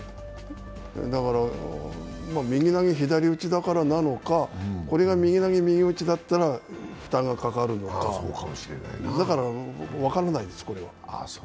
だから、右投げ左打ちだからなのか、これが右投げ右打ちだったら負担がかかるのかだから、これは分からないです。